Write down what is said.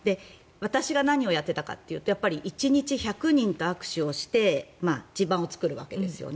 私が何をやっていたかというと１日１００人と握手をして地盤を作るわけですよね。